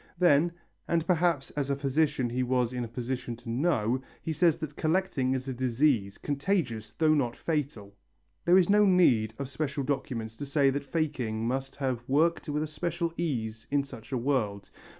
Then, and perhaps as a physician he was in a position to know, he says that collecting is a disease, contagious though not fatal. There is no need of special documents to say that faking must have worked with a certain ease in such a world.